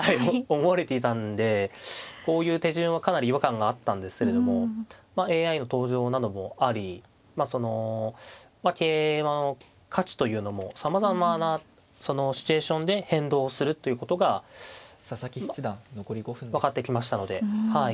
覚えていたんでこういう手順はかなり違和感があったんですけれどもＡＩの登場などもあり桂馬の価値というのもさまざまなシチュエーションで変動するということが分かってきましたのではい